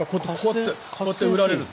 こうやって振られるの。